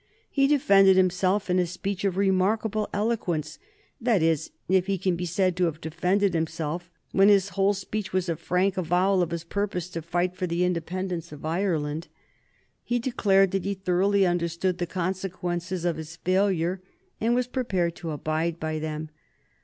He defended himself in a speech of remarkable eloquence that is, if he can be said to have defended himself when his whole speech was a frank avowal of his purpose to fight for the independence of Ireland. He declared that he thoroughly understood the consequences of his failure, and was prepared to abide by them.